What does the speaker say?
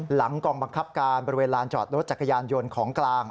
หลังกองบังคับการบริเวณลานจอดรถจักรยานยนต์ของกลาง